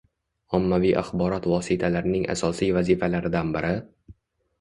Ommaviy axborot vositalarining asosiy vazifalaridan biri